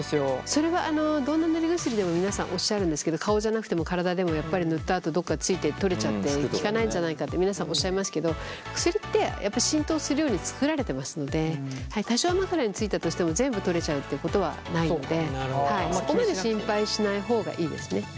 それはどんな塗り薬でも皆さんおっしゃるんですけど顔じゃなくても体でもやっぱり塗ったあとどこかついて取れちゃって効かないんじゃないかって皆さんおっしゃいますけど薬ってやっぱり浸透するように作られてますので多少枕についたとしても全部取れちゃうっていうことはないのでそこまで心配しない方がいいですね。